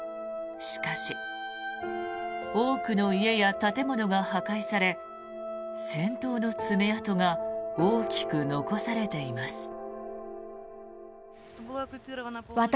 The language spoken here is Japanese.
しかし多くの家や建物が破壊され戦闘の爪痕が大きく残されています。